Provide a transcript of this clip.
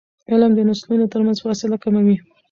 علم د نسلونو ترمنځ فاصله کموي.